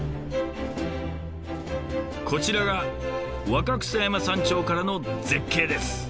こちらが若草山山頂からの絶景です。